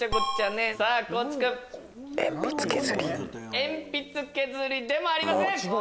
えんぴつ削りでもありません。